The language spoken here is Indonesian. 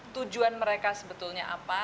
tujuan mereka sebetulnya apa